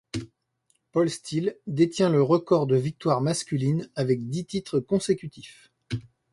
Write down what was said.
Paul Steel détient le record de victoires masculines avec dix titres consécutifs.